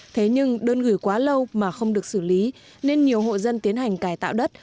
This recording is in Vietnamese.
thế nhưng đơn gửi quá lâu mà không được xử lý nên nhiều hộ dân tiến hành cài tạo đất